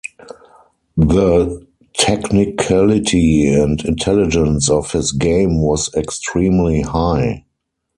The technicality and intelligence of his game was extremely high.